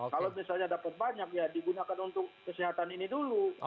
kalau misalnya dapat banyak ya digunakan untuk kesehatan ini dulu